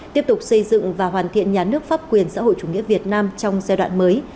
tiếp tục xây dựng và hoàn thiện nhà nước pháp quyền xã hội chủ nghĩa việt nam trong giai đoạn mới